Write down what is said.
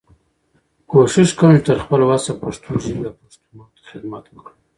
کوشش کوم چې تر خپل وسه پښتو ژبې او پښتنو ته خدمت وکړم.